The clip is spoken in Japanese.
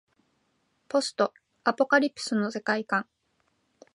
ポストアポカリプスの世界観